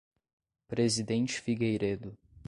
Presidente Figueiredo